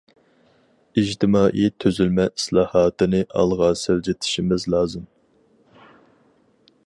ئىجتىمائىي تۈزۈلمە ئىسلاھاتىنى ئالغا سىلجىتىشىمىز لازىم.